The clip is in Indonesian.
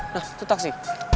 nah tuh taksi